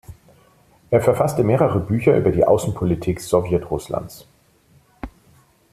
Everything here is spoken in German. Er verfasste mehrere Bücher über die Außenpolitik Sowjetrusslands.